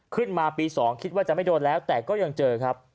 ขึ้นมาปี๒คิดว่าจะไม่โดนแล้วแต่ก็ยังเจอครับ